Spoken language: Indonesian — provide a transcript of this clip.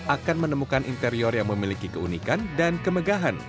akan menemukan interior yang memiliki keunikan dan kemegahan